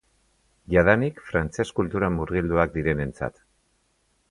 Jadanik frantses kulturan murgilduak direnentzat.